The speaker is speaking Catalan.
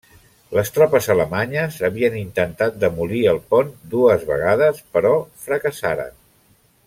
Les tropes alemanyes havien intentat demolir el pont dues vegades, però fracassaren.